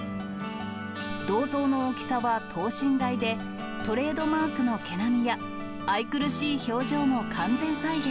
銅像の大きさは等身大で、トレードマークの毛並みや愛くるしい表情も完全再現。